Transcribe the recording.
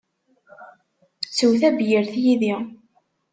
Sew tabyirt yid-i!